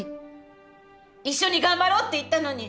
一緒に頑張ろうって言ったのに。